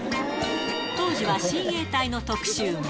当時は親衛隊の特集が。